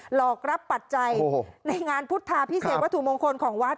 หลอกรับปัจจัยในงานพุทธาพิเศษวัตถุมงคลของวัด